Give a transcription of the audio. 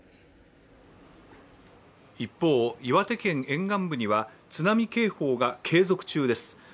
一方、岩手県沿岸部には津波警報が継続中です。